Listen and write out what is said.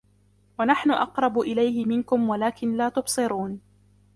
وَنَحْنُ أَقْرَبُ إِلَيْهِ مِنْكُمْ وَلَكِنْ لَا تُبْصِرُونَ